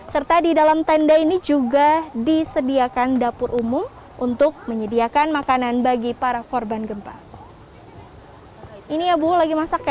serta di dalam tenda ini juga disediakan dapur umum untuk menyediakan makanan bagi para korban gempa